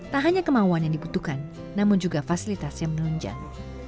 tak hanya kemauan yang dibutuhkan namun juga fasilitas yang menunjang